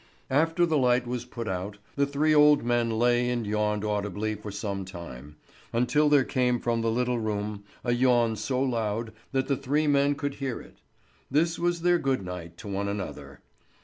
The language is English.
After the lamp was put out, the three old men lay and yawned audibly for some time, until there came from the little room a yawn so loud that the three men could hear it. This was their good night to one another.